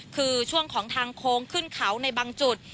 คือช่วงของทางโค้งขึ้นเขาในบางจุด